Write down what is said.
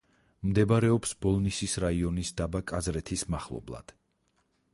მდებარეობს ბოლნისის რაიონის დაბა კაზრეთის მახლობლად.